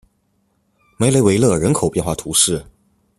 梅雷维勒人口变化图示